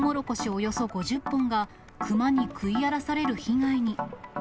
およそ５０本が、クマに食い荒らされる被害に。